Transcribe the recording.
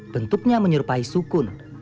bentuknya menyerupai sukun